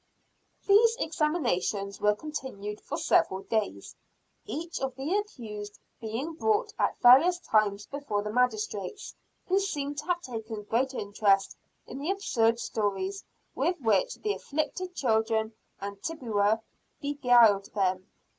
These examinations were continued for several days, each of the accused being brought at various times before the magistrates, who seem to have taken great interest in the absurd stories with which the "afflicted children" and Tituba regaled them.